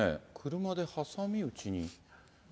車で挟み撃ちに。